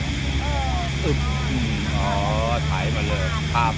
อื้มอ๋อไถมาเลยครับ